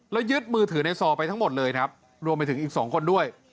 แล้วยึดมือถือในซอไปทั้งหมดเลยครับรวมไปถึงอีก๒คนด้วย